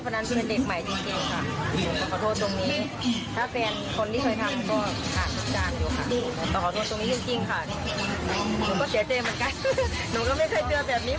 ผมงจริงรู้จักแฟนผมเชื่อแจงทั้งผสม